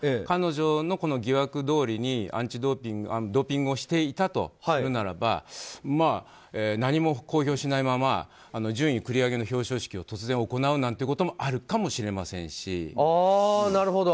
彼女の疑惑どおりにドーピングをしていたとするならば何も公表しないまま順位繰り上げの表彰式を突然行うなんてこともあるかもしれませんし。